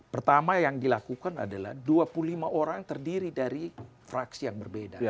pertama yang dilakukan adalah dua puluh lima orang terdiri dari fraksi yang berbeda